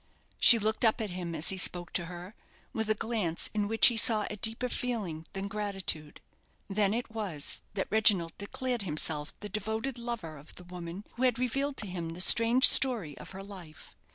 She looked up at him, as he spoke to her, with a glance in which he saw a deeper feeling than gratitude. Then it was that Reginald declared himself the devoted lover of the woman who had revealed to him the strange story of her life.